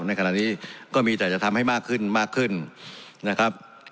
ในขณะนี้ก็มีแต่จะทำให้มากขึ้นมากขึ้นนะครับ